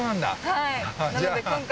はい。